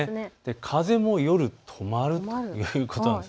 風も夜とまるということなんです。